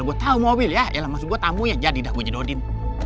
gue tau mobil ya ya lah mas gue tamu ya jadi dah gue jadi odin